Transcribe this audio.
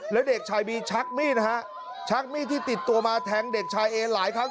แล้วเด็กชายบีชักมีดนะฮะชักมีดที่ติดตัวมาแทงเด็กชายเอหลายครั้ง